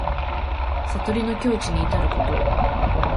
悟りの境地にいたること。